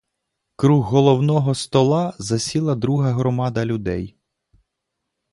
Круг головного стола засіла друга громада людей.